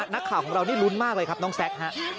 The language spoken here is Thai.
นักข่าวของเรานี่ลุ้นมากเลยครับน้องแซคฮะ